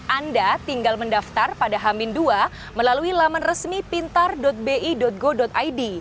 anda tinggal mendaftar pada hamin dua melalui laman resmi pintar bi go id